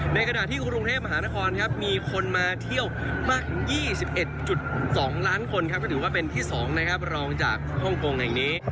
ในกระดาษที่กรุงเทพมหานครมีคนมาเที่ยวมาก๒๑๒ล้านคนถือว่าเป็นที่๒รองจากฮ่องโกงแห่งนี้